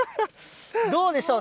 どうでしょう？